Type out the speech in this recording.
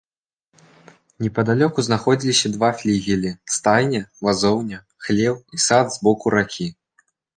Непадалёку знаходзіліся два флігелі, стайня, вазоўня, хлеў і сад з боку ракі.